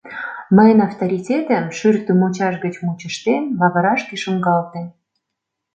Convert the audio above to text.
Мыйын авторитетем, шӱртӧ мучаш гыч мучыштен, лавырашке шуҥгалте.